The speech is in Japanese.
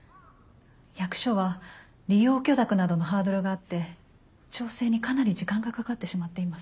役所は利用許諾などのハードルがあって調整にかなり時間がかかってしまっています。